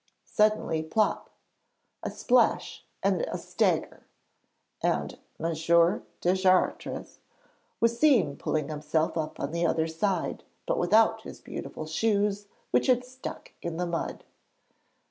Suddenly plop, a splash, and a stagger! and M. Deschartres was seen pulling himself up on the other side, but without his beautiful shoes, which had stuck in the mud.